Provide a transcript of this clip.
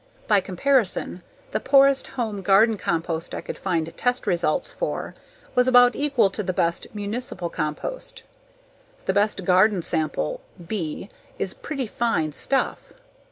By comparison, the poorest home garden compost I could find test results for was about equal to the best municipal compost. The best garden sample ("B") is pretty fine stuff.